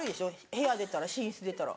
部屋出たら寝室出たら。